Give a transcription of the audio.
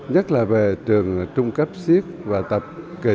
nhất là về trường trung cấp siếc và tập kỹ